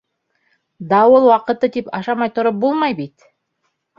Дауыл ваҡыты тип ашамай тороп булмай бит!